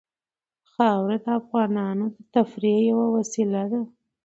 خاوره د افغانانو د تفریح یوه وسیله ده.